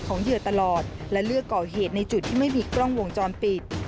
เหยื่อตลอดและเลือกก่อเหตุในจุดที่ไม่มีกล้องวงจรปิด